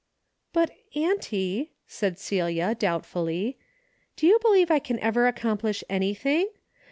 "But, auntie," said Celia, doubtfully, "do you believe I can ever accomplish anything